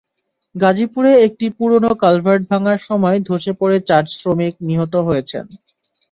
গাজীপুরে একটি পুরোনো কালভার্ট ভাঙার সময় ধসে পড়ে চার শ্রমিক নিহত হয়েছেন।